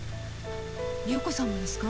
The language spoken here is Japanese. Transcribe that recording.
美代子さんもですか？